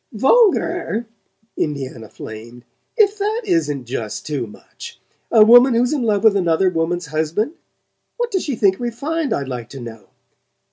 "VULGAR?" Indiana flamed. "If that isn't just too much! A woman who's in love with another woman's husband? What does she think refined, I'd like to know?